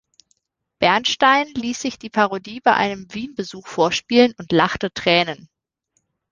Bernstein ließ sich die Parodie bei einem Wien-Besuch vorspielen und „lachte Tränen“.